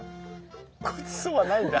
ごちそうはないんだ。